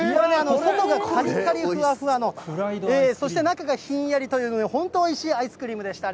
外はかりかりふわふわの、そして中がひんやりというので、本当おいしいアイスクリームでした。